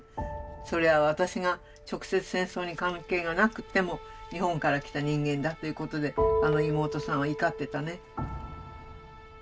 それは私が直接戦争に関係がなくても日本から来た人間だということで妹さんは怒ってたね。